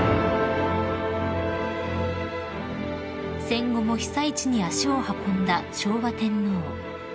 ［戦後も被災地に足を運んだ昭和天皇］